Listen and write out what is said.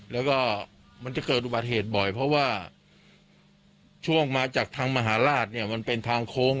แล้วก็มันจะเกิดอุบัติเหตุบ่อยเพราะว่าช่วงมาจากทางมหาราชเนี่ยมันเป็นทางโค้ง